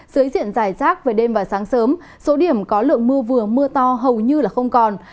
dưới diện giải rác về đêm và sáng sớm số điểm có lượng mưa vừa mưa to hầu như không còn